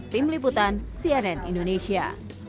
tim liputan cnn indonesia